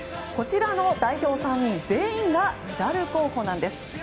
こちらの代表３人全員がメダル候補なんです。